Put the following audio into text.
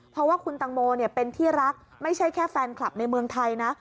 เพราะว่าคุณตังโมเป็นที่รักไม่ใช่แค่แฟนคลับในเมืองไทยนะ